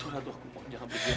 ratu aku mohon jangan pergi